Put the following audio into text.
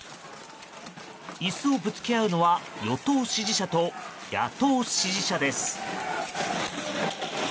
椅子をぶつけ合うのは与党支持者と野党支持者です。